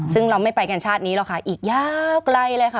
ซึ่งเราไม่ไปกันชาตินี้หรอกค่ะอีกยาวไกลเลยค่ะ